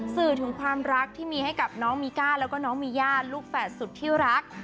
สื่อถึงความรักที่มีให้กับน้องมีก้าแล้วก็น้องมีย่าลูกแฝดสุดที่รัก